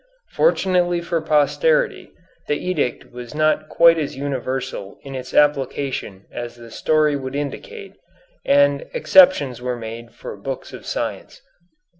Fortunately for posterity, the edict was not quite as universal in its application as the story would indicate, and exceptions were made for books of science.